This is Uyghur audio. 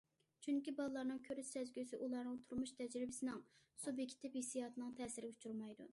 چۈنكى بالىلارنىڭ كۆرۈش سەزگۈسى ئۇلارنىڭ تۇرمۇش تەجرىبىسىنىڭ، سۇبيېكتىپ ھېسسىياتىنىڭ تەسىرىگە ئۇچرىمايدۇ.